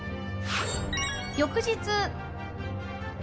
翌日。